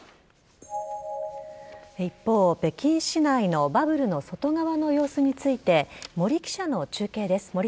一方、北京市内のバブルの外側の様子について森記者の中継です。